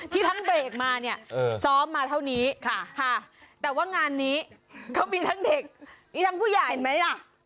ทั้งเบรกมาเนี่ยซ้อมมาเท่านี้แต่ว่างานนี้เขามีทั้งเด็กมีทั้งผู้ใหญ่เห็นไหมล่ะ